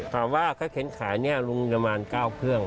ถามว่าถ้าเข็นขายเนี่ยลุงประมาณ๙เครื่อง